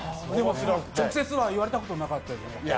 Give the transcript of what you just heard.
直接は言われたことなかったですね。